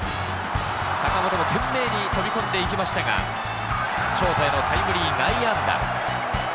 坂本も懸命に飛び込んでいきましたが、ショートへのタイムリー内野安打。